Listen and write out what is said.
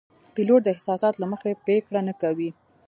پیلوټ د احساساتو له مخې پرېکړه نه کوي.